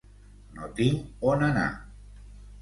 No tinc on anar.